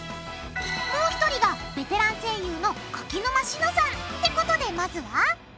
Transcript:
もう一人がベテラン声優の柿沼紫乃さん。ってことでまずは？